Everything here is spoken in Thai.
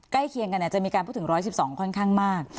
ใกล้เคียงกันเนี่ยจะมีการพูดถึงร้อยสิบสองค่อนข้างมาก